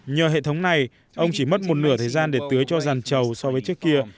nhờ hệ thống này ông chỉ mất một nửa thời gian để tưới cho giàn trầu so với trước kia